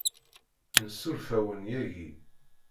Nessuref-awen yagi.